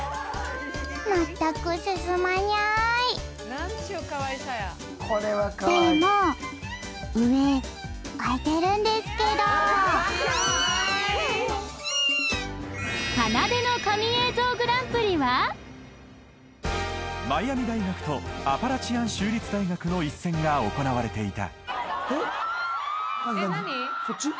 全く進まにゃいでも上開いてるんですけどマイアミ大学とアパラチアン州立大学の一戦が行われていた